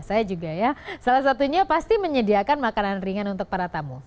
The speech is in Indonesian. saya juga ya salah satunya pasti menyediakan makanan ringan untuk para tamu